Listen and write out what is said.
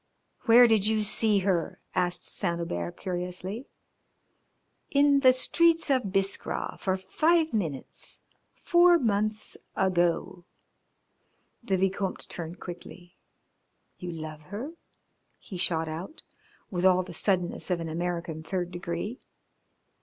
"Where did you see her?" asked Saint Hubert curiously. "In the streets of Biskra, for five minutes, four months ago." The Vicomte turned quickly. "You love her?" he shot out, with all the suddenness of an American third degree.